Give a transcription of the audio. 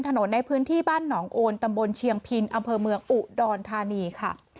ในพื้นที่บ้านหนองโอนตำบลเชียงพินอำเภอเมืองอุดรธานีค่ะ